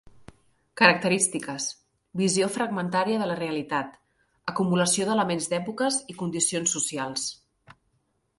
Característiques: visió fragmentària de la realitat, acumulació d’elements d’èpoques i condicions socials.